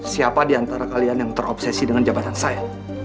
siapa diantara kalian yang terobsesi dengan jabatan saya